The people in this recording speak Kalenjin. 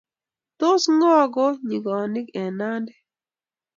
tos ng'o ko nyikonik eng' Nandi?